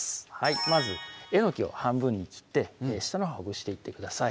まずえのきを半分に切って下のほうほぐしていってください